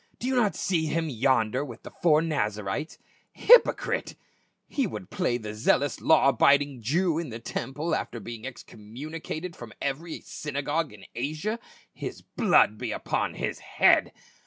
" Do you not see him yonder with the four Nazarites ? Hypocrite ! he would play the zeal ous law abiding Jew in the temple after being excom municated from every synagogue in Asia. His blood be upon his head